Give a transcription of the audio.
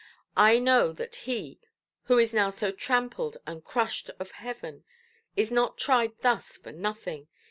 I know that he, who is now so trampled and crushed of Heaven, is not tried thus for nothing.